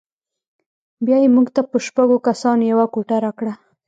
بیا یې موږ ته په شپږو کسانو یوه کوټه راکړه.